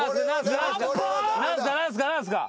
何すか？